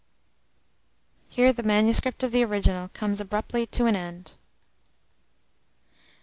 [Here the manuscript of the original comes abruptly to an end.